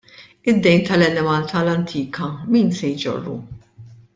Id-dejn tal-Enemalta l-antika min se jġorru?